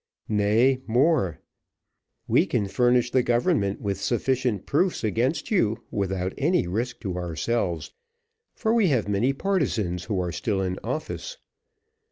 Nay, more; we can furnish the government with sufficient proofs against you without any risk to ourselves, for we have many partisans who are still in office.